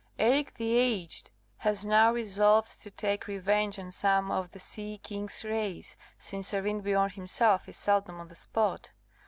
Eric the Aged has now resolved to take revenge on some of the sea king's race, since Arinbiorn himself is seldom on the spot.